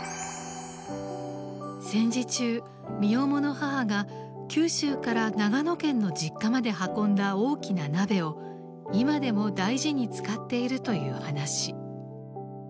戦時中身重の母が九州から長野県の実家まで運んだ大きな鍋を今でも大事に使っているという話。